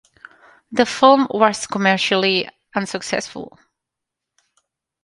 The film was commercially unsuccessful.